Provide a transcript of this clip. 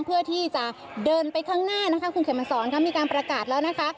เพื่อที่จะเดินไปข้างหน้านะคะคุณเขมสอนค่ะมีการประกาศแล้วนะคะ